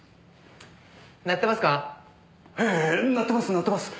鳴ってますか？